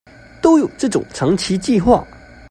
都有這種長期計畫